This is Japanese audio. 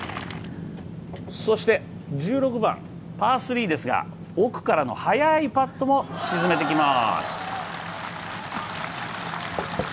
そして１６番、パー３ですが奥からの速いパットも沈めていきます。